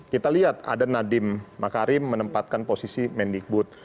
kita lihat ada nadiem makarim menempatkan posisi mendikbud